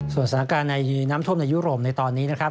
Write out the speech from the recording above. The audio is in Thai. สถานการณ์ในน้ำท่วมในยุโรปในตอนนี้นะครับ